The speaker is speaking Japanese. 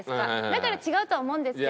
だから違うとは思うんですけど。